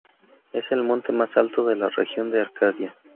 Es el monte más alto de la región de Arcadia.